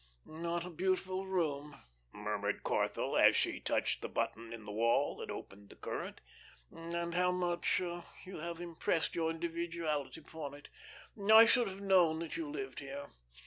"What a beautiful room," murmured Corthell, as she touched the button in the wall that opened the current, "and how much you have impressed your individuality upon it. I should have known that you lived here.